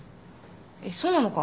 えっそうなのか。